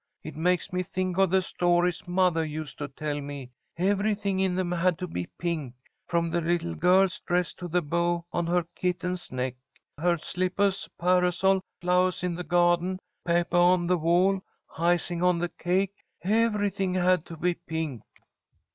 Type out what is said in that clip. It makes me think of the stories mothah used to tell me. Everything in them had to be pink, from the little girl's dress to the bow on her kitten's neck. Her slippahs, parasol, flowahs in the garden, papah on the wall, icing on the cake, everything had to be pink."